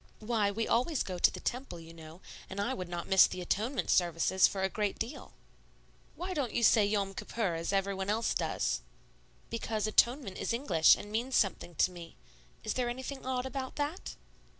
"Why, we always go to the Temple, you know; and I would not miss the Atonement services for a great deal." "Why don't you say 'Yom Kippur,' as everybody else does?" "Because 'Atonement' is English and means something to me. Is there anything odd about that?"